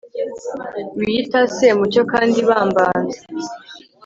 wiyita semucyo kandi bambanza